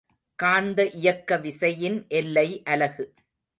காந்த இயக்க விசையின் எல்லை அலகு.